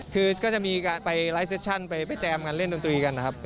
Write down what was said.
คือก็จะมีการไปไลฟ์เซชั่นไปแจมกันเล่นดนตรีกันนะครับ